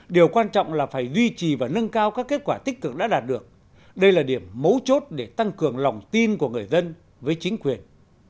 điều quan trọng là phải duy trì và nâng cao các kết quả tích cực đã đạt được đây là điểm mấu chốt để tăng cường lòng tin của người dân với chính quyền